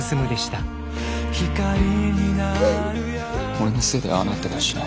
俺のせいでああなったりはしない。